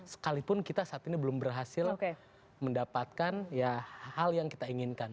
sekalipun kita saat ini belum berhasil mendapatkan ya hal yang kita inginkan